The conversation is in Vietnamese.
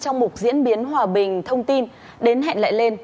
trong một diễn biến hòa bình thông tin đến hẹn lại lên